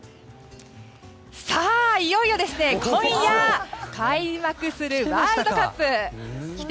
さあ、いよいよですね今夜開幕するワールドカップ。